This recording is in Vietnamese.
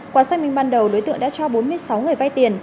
quả sách mình ban đầu đối tượng đã cho bốn mươi sáu người vay tiền